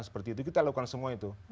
seperti itu kita lakukan semua itu